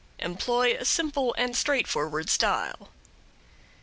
Employ a simple and straightforward style.